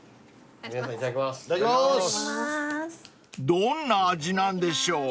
［どんな味なんでしょう？］